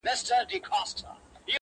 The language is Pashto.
سیاه پوسي ده، جنگ دی جدل دی.